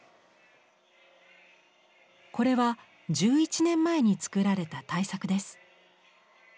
これは１１年前に作られた大作です。